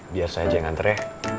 biar saya aja yang antre